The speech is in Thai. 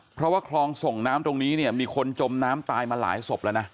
เพราะว่าคลองส่งน้ำตรงนี้เนี่ยมีคนจมน้ำตายมาหลายศพแล้วนะ